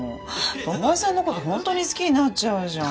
巴さんの事本当に好きになっちゃうじゃん。